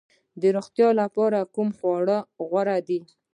د روغتیا لپاره کوم خواړه غوره دي؟